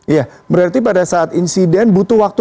ya berarti pada saat insiden butuh waktu